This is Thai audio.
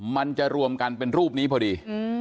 มันจะรวมกันเป็นรูปนี้พอดี